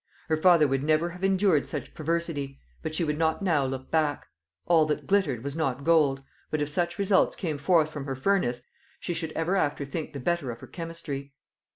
Her father would never have endured such perversity: but she would not now look back: All that glittered was not gold, but if such results came forth from her furnace, she should ever after think the better of her chemistry.